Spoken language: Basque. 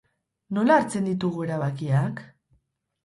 Nola hartzen ditugu erabakiak?